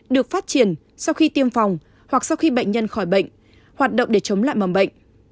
được phát triển sau khi tiêm phòng hoặc sau khi bệnh nhân khỏi bệnh hoạt động để chống lại mầm bệnh